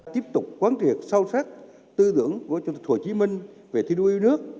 tiếp tục quán triệt sâu sắc tư tưởng của chủ tịch hồ chí minh về thi đua yêu nước